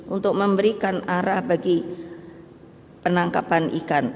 untuk memberikan arah bagi penangkapan ikan